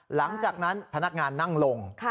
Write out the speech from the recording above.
หลังจากนั้นพนักงานนั่งลง